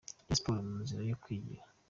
Rayon Sports mu nzira zo kwigira.